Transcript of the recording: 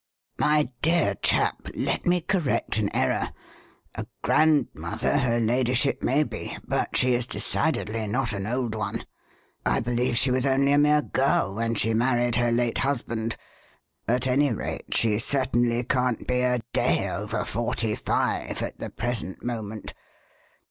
"My dear chap, let me correct an error: a grandmother her ladyship may be, but she is decidedly not an old one. I believe she was only a mere girl when she married her late husband. At any rate, she certainly can't be a day over forty five at the present moment.